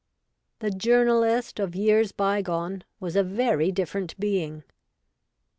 The journalist of years bygone was a very different being.